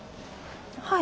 はい。